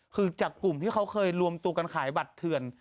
คือจากกลุ่มที่เขาเคยรวมตัวกันขายบัตรเถื่อน